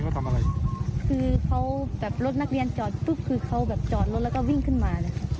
คือเขาจอดลดแล้วก็วิ่งขึ้นมา